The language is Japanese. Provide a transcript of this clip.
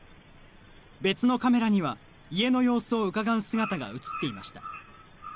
別のカメラには家の様子をうかがう姿が映っていました。